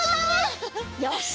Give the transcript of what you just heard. よし！